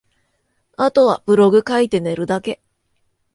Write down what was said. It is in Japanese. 後はブログ書いて寝るだけ